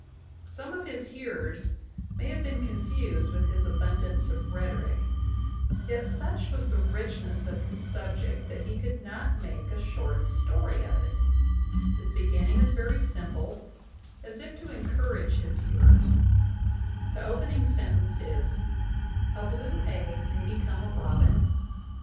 Some of his hearers may have been confused with his abundance of rhetoric; yet such was the richness of his subject that he could not make a short story of it. His beginning is very simple, as if to encourage his hearers ; the opening sentence is : "A blue egg may become 73 NATIONAL ACADEMY BIOGRAPHICAL MEMOIRS VOL. V11I a robin.